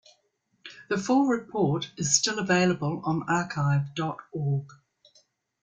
The full report is still available on Archive dot org.